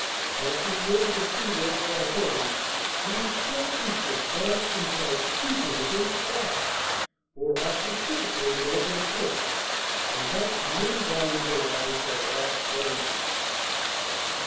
Not being able to see where they are going, these poor creatures dash themselves to pieces against the rocks or are precipitated over the cliffs, and thus many valuable lives are lost annually.